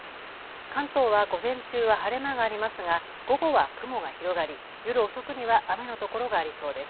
関東は午前中は晴れ間がありますが午後は雲が広がり夜遅くには雨のところがありそうです。